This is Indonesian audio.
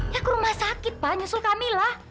ya ke rumah sakit pak nyusul kamilah